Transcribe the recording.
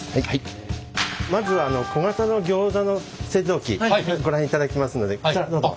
まずは小型のギョーザの製造機ご覧いただきますのでこちらへどうぞ。